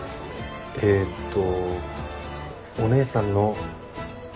えーっとお姉さんの友達。